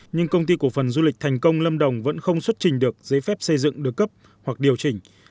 nhưng công ty cổ phần du lịch thành công lâm đồng vẫn không xuất trình được giấy phép xây dựng được cấp hoặc điều chỉnh